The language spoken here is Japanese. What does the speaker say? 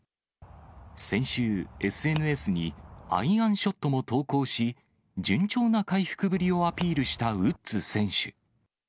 先週、ＳＮＳにアイアンショットも投稿し、順調な回復ぶりをアピールしたウッズ選手。